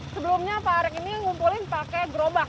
sebelumnya pak arek ini ngumpulin pakai gerobak